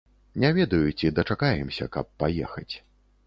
Не ведаю, ці дачакаемся, каб паехаць.